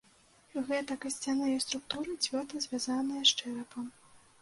Гэта касцяныя структуры, цвёрда звязаныя з чэрапам.